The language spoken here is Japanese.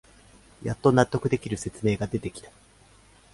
やっと納得できる説明が出てきた